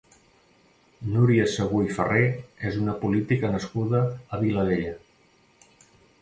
Núria Segú i Ferré és una política nascuda a Vilabella.